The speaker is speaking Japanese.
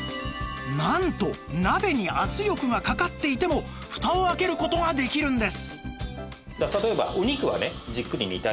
なんと鍋に圧力がかかっていてもフタを開ける事ができるんです